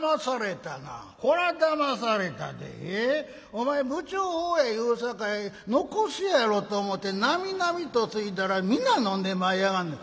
お前不調法や言うさかい残すやろと思てなみなみとついだら皆飲んでまいやがんねん」。